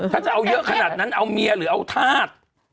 ถ้าจะเอาเยอะขนาดนั้นเอาเมียหรือเอาธาตุ